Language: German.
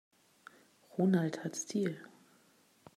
Ronald hat Stil.